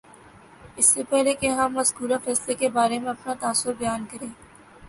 اس سے پہلے کہ ہم مذکورہ فیصلے کے بارے میں اپنا تاثر بیان کریں